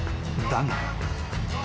［だが］